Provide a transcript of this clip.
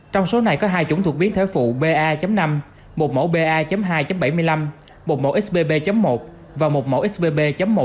trong số này có hai chủng thuộc biến thể phụ pa năm một mẫu pa hai bảy mươi năm một mẫu xbb một và một mẫu xbb một năm